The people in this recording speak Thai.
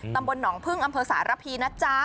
ตำบลหนองพึ่งอำเภอสารพีนะจ๊ะ